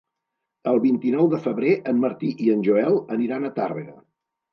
El vint-i-nou de febrer en Martí i en Joel aniran a Tàrrega.